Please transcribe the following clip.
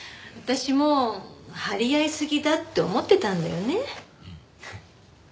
私も張り合いすぎだって思ってたんだよね。